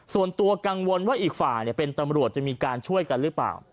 ส่วนตัวกังวลว่าอีกฝ่ายเป็นตำรวจจะมีการช่วยกันหรือเปล่า